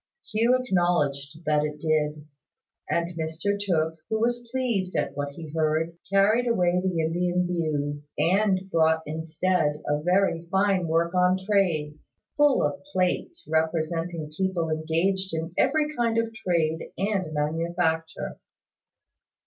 Hugh acknowledged that it did; and Mr Tooke, who was pleased at what he heard, carried away the Indian Views, and brought instead a very fine work on Trades, full of plates representing people engaged in every kind of trade and manufacture.